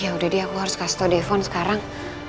ya udah deh aku harus kasih tau dphone sekarang